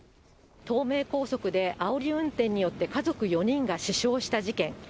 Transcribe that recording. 東名高速で、あおり運転によって家族４人が死傷した事件。